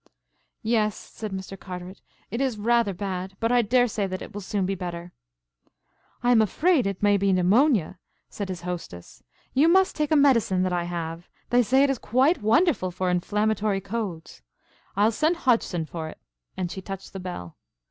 "Yes," said Mr. Carteret, "it is rather bad, but I daresay that it will soon be better." "I am afraid that it may be pneumonia," said his hostess. "You must take a medicine that I have. They say that it is quite wonderful for inflammatory colds. I'll send Hodgson for it," and she touched the bell.